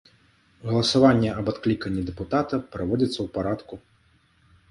Галасаванне аб адкліканні дэпутата праводзіцца ў парадку.